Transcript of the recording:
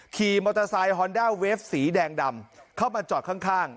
ขี่มอเตอร์ไซค์ฮอนด้าเวฟสีแดงดำเข้ามาจอดข้าง